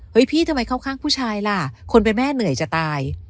พี่ทำไมเข้าข้างผู้ชายล่ะคนเป็นแม่เหนื่อยจะตาย